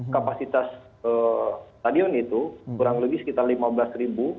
kapasitas stadion itu kurang lebih sekitar lima belas ribu